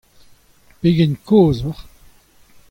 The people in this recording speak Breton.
Pegen kozh oc'h ?